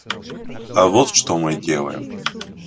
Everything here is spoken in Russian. А вот что мы делаем.